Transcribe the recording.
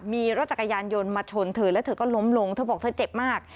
มีรถจักรยานยนต์มาชนเธอแล้วเธอก็ล้มลงเธอบอกเธอเจ็บมาก